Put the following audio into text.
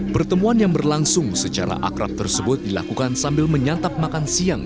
pertemuan yang berlangsung secara akrab tersebut dilakukan sambil menyantap makan siang